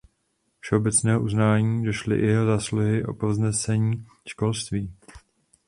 Všeobecného uznání došly i jeho zásluhy o povznesení školství.